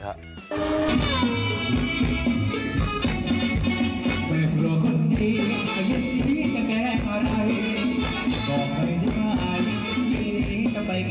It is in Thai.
แม่ครัวคนดีจะยินที่จะแก้ขนาดนี้